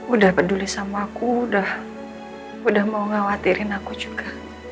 udah peduli sama aku udah mau khawatirin aku juga